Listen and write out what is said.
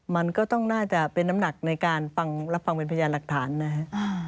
มันก็ต้องน่าจะเป็นน้ำหนักในการรับฟังเป็นพยานหลักฐานนะฮะ